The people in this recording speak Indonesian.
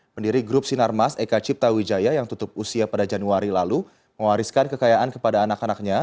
pendiri grup sinarmas eka cipta wijaya yang tutup usia pada januari lalu mewariskan kekayaan kepada anak anaknya